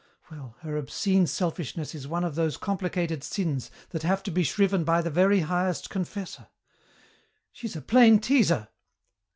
Well, her obscene selfishness is one of those complicated sins that have to be shriven by the very highest confessor. She's a plain teaser!